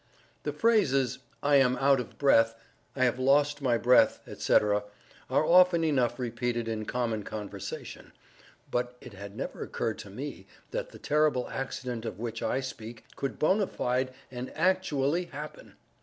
The phrases "I am out of breath," "I have lost my breath," etc., are often enough repeated in common conversation; but it had never occurred to me that the terrible accident of which I speak could bona fide and actually happen!